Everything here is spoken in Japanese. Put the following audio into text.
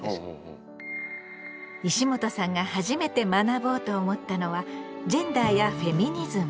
石本さんが初めて学ぼうと思ったのはジェンダーやフェミニズム。